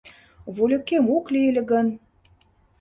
Вольыкем ок лий ыле гын